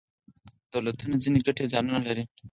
دولتونه ځینې ګټې او زیانونه لري.